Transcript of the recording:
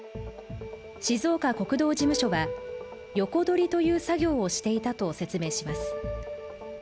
静岡国道事務所は横取りという作業をしていたと説明します。